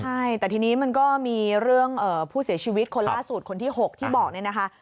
ใช่แต่ทีนี้มันก็มีเรื่องผู้เสียชีวิตคนล่าสุดคนที่๖ที่บอกเนี่ยนะคะ